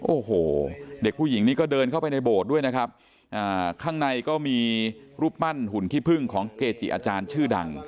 โอ้โหเด็กผู้หญิงนี้ก็เดินเข้าไปในโบสถ์ด้วยนะครับข้างในก็มีรูปปั้นหุ่นขี้พึ่งของเกจิอาจารย์ชื่อดัง